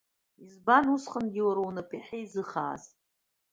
Избан усҟангьы уара унапы еиҳа изыхааз?